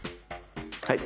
はい。